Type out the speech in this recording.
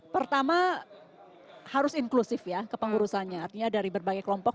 pertama harus inklusif ya kepengurusannya artinya dari berbagai kelompok